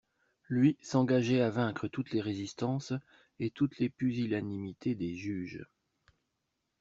Lui s'engageait à vaincre toutes les résistances et toutes les pusillanimités des juges.